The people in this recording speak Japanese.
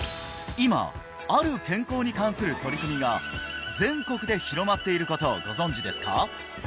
今ある健康に関する取り組みが全国で広まっていることをご存じですか？